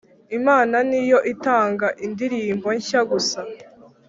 imana niyo itanga indirimbo shya gusa